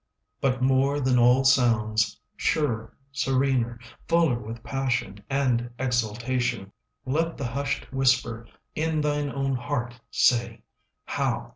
35 But more than all sounds, Surer, serener, Fuller with passion And exultation, Let the hushed whisper 40 In thine own heart say, How I adore thee.